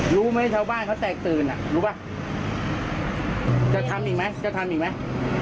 รู้ไหมชาวบ้านเขาแตกตื่นอ่ะรู้ป่ะจะทำอีกไหมจะทำอีกไหม